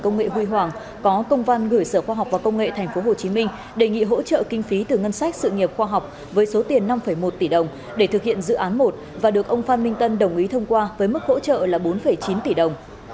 công nghệ huy hoàng có công văn gửi sở khoa học và công nghệ tp hcm đề nghị hỗ trợ kinh phí từ ngân sách sự nghiệp khoa học với số tiền năm một tỷ đồng để thực hiện dự án một và được ông phan minh tân đồng ý thông qua với mức hỗ trợ là bốn chín tỷ đồng